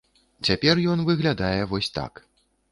Цяпер ён выглядае вось так.